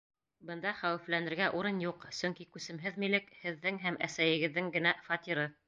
Бында хәүефләнергә урын юҡ, сөнки күсемһеҙ милек — һеҙҙең һәм әсәйегеҙҙең генә фатиры.